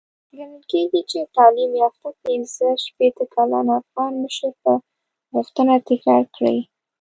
ګڼل کېږي چې تعليم يافته پنځه شپېته کلن افغان مشر به غوښتنه تکرار کړي.